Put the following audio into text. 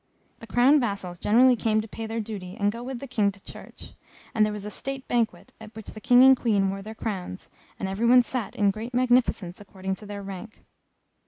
The crown vassals generally came to pay their duty and go with the King to Church; and there was a state banquet, at which the King and Queen wore their crowns, and every one sat in great magnificence according to their rank.